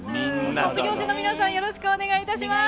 卒業生の皆さんよろしくお願いいたします。